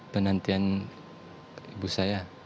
penantian ibu saya